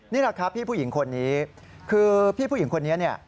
นี่แหละครับพี่ผู้หญิงคนนี้คือพี่ผู้หญิงคนนี้เนี่ย